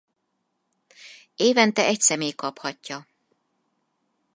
Évente egy személy kaphatja.